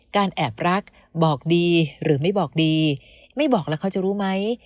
แอบรักบอกดีหรือไม่บอกดีไม่บอกแล้วเขาจะรู้ไหม